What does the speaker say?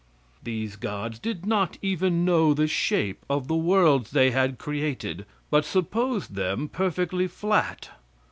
These gods did not even know the shape of the worlds they had created, but supposed them perfectly flat.